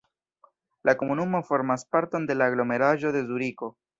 La komunumo formas parton de la aglomeraĵo de Zuriko.